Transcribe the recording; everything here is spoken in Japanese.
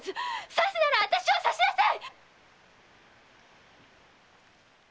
刺すならあたしを刺しなさい！